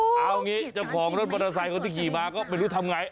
จังหว่างรถบารสายเราก็จำไม่รู้ทำไง